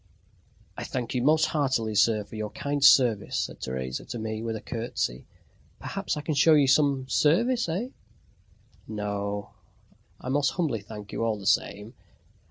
"I thank you most heartily, sir, for your kind services," said Teresa to me, with a curtsey. "Perhaps I can show you some service, eh?" "No, I most humbly thank you all the same."